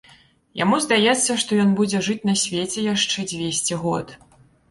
Яму здаецца, што ён будзе жыць на свеце яшчэ дзвесце год.